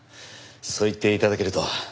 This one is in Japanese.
そう言って頂けると。